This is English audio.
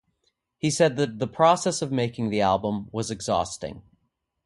He said that the process of making the album was exhausting.